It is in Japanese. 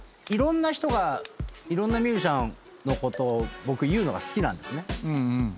いろんな人がいろんなミュージシャンのことを僕言うのが好きなんですね。